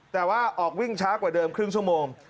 แต่ว่าออกวิ่งช้ากว่าเดิมครึ่งชั่วโมง